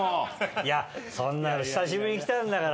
いやそんな久しぶりに来たんだから。